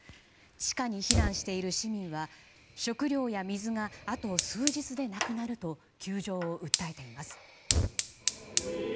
地下に避難している市民は食料や水があと数日でなくなると窮状を訴えています。